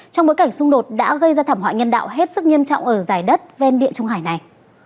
trong bối cảnh xung đột đã gây ra thảm họa nhân đạo hết sức nghiêm trọng ở giải đất ven địa trung hải này